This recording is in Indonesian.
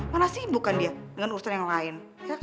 mana sibuk kan dia dengan urusan yang lain